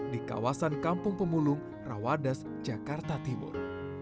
di kawasan kampung pemulung rawadas jakarta timur